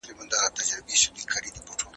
د غریبانو حق چور کول ظلم دی.